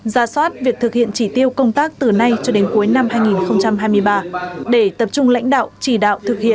ra soát việc thực hiện chỉ tiêu công tác từ nay cho đến cuối năm hai nghìn hai mươi ba để tập trung lãnh đạo chỉ đạo thực hiện